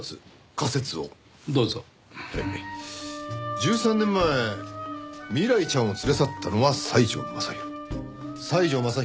１３年前未来ちゃんを連れ去ったのは西條雅弘。